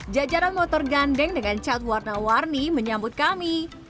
jajaran motor gandeng dengan cat warna warni menyambut kami